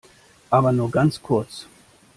Aber nur ganz kurz!